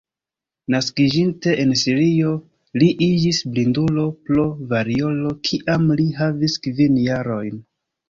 Naskiĝinte en Sirio, li iĝis blindulo pro variolo kiam li havis kvin jarojn.